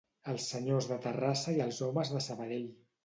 Els senyors de Terrassa i els homes de Sabadell.